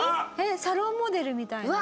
サロンモデルみたいな。